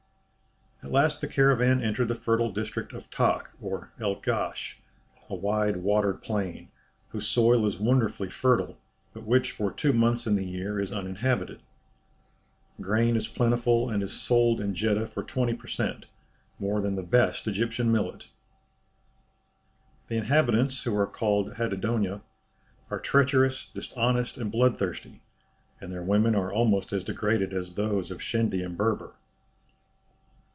At last the caravan entered the fertile district of Tak or El Gasch, a wide watered plain, whose soil is wonderfully fertile, but which for two months in the year is uninhabited. Grain is plentiful and is sold in Jeddah for twenty per cent. more than the best Egyptian millet. The inhabitants, who are called Hadendoa, are treacherous, dishonest, and bloodthirsty; and their women are almost as degraded as those of Shendy and Berber.